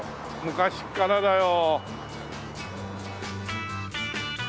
昔からだよ。